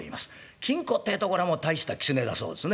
金狐ってえとこらもう大した狐だそうですね。